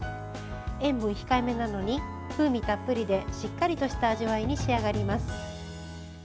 塩分控えめなのに風味たっぷりでしっかりとした味わいに仕上がります。